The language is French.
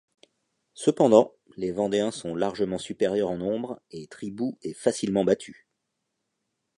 Cependant, les Vendéens sont largement supérieurs en nombre et Tribout est facilement battu.